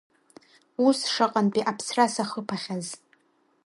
Ус шаҟантәи аԥсра сахыԥахьаз.